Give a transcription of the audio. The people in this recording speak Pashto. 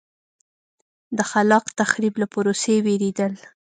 د خلاق تخریب له پروسې وېرېدل.